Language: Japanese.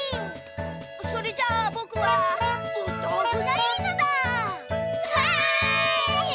それじゃあぼくはおとうふがいいのだ！わい！